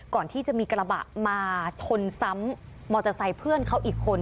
ก่อนที่จะมีกระบะมาชนซ้ำมอเตอร์ไซค์เพื่อนเขาอีกคน